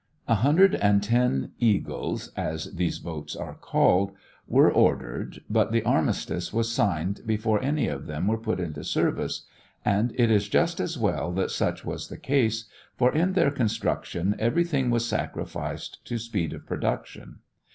A hundred and ten "Eagles" (as these boats are called) were ordered, but the armistice was signed before any of them were put into service; and it is just as well that such was the case, for in their construction everything was sacrificed to speed of production.